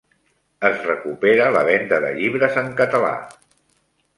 Es recupera la venda de llibres en català